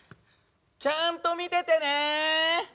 ちゃんと見ててね。